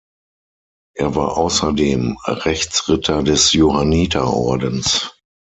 Er war außerdem Rechtsritter des Johanniterordens.